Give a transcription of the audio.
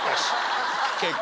結果。